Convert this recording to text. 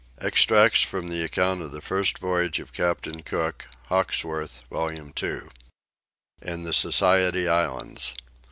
EXTRACTS FROM THE ACCOUNT OF THE FIRST VOYAGE OF CAPTAIN COOK. HAWKESWORTH, VOLUME 2. IN THE SOCIETY ISLANDS.